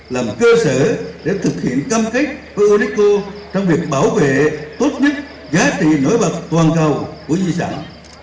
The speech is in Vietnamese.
làm cơ sở để thực hiện cam kết với unesco trong việc bảo vệ tốt nhất giá trị nổi bật toàn cầu của di sản